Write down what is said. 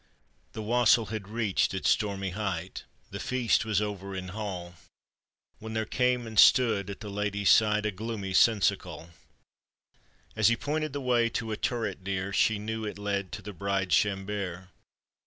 The wassail had reached its stormy height, The feast was over in hall, When there came and stood at the lady's side A gloomy seneschal; As he pointed the way to a turret near She knew that it led to the bride chambc re.